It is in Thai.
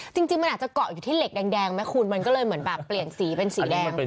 จริงมันอาจจะเกาะอยู่ที่เหล็กแดงไหมคุณมันก็เลยเหมือนแบบเปลี่ยนสีเป็นสีแดง